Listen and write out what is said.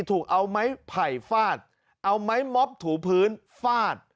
ถูกเอาไม้ไผ่ฟาดเอาไม้ม็อบถูพื้นฟาด